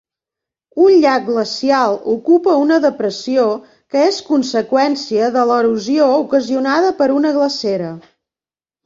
Un llac glacial ocupa una depressió que és conseqüència de l'erosió ocasionada per una glacera.